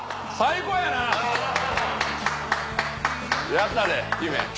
やったで姫。